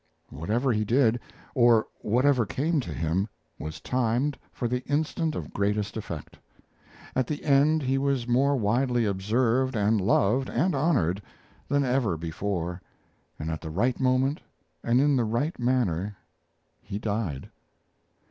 Whatever he did, or whatever came to him, was timed for the instant of greatest effect. At the end he was more widely observed and loved and honored than ever before, and at the right moment and in the right manner he died.